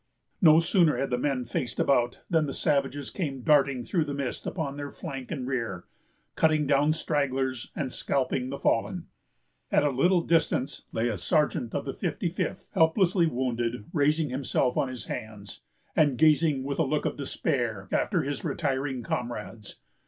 No sooner had the men faced about, than the savages came darting through the mist upon their flank and rear, cutting down stragglers, and scalping the fallen. At a little distance lay a sergeant of the 55th, helplessly wounded, raising himself on his hands, and gazing with a look of despair after his retiring comrades.